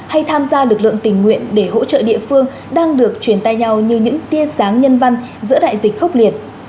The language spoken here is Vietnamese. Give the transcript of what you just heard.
hay tham gia lực lượng tình nguyện để hỗ trợ địa phương đang được truyền tay nhau như những tia sáng nhân văn giữa đại dịch khốc liệt